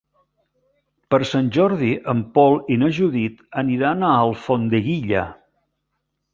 Per Sant Jordi en Pol i na Judit aniran a Alfondeguilla.